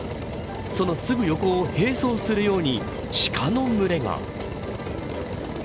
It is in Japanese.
そのすぐ横を並走するようにシカの群れが。